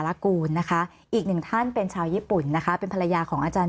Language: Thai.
ระกูลนะคะอีกหนึ่งท่านเป็นชาวญี่ปุ่นนะคะเป็นภรรยาของอาจารย์